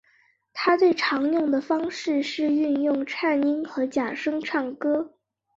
他最常用的方式是运用颤音和假声唱歌。